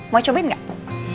mau cobain gak